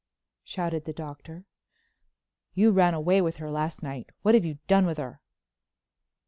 shouted the Doctor. "You ran away with her last night. What have you done with her?"